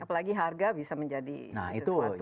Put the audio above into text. apalagi harga bisa menjadi sesuatu yang tidak